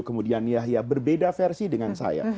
dan kemudian yahya berbeda versi dengan saya